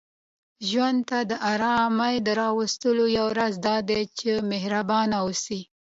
ژوند ته د آرامۍ د راوستلو یو راز دا دی، چې محربانه اوسئ